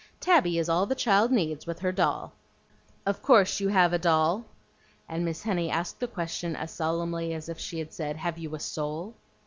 Tabby is all the child needs, with her doll. Of course you have a doll?" and Miss Henny asked the question as solemnly as if she had said, "Have you a soul?"